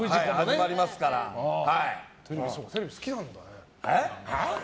テレビ好きなんだね。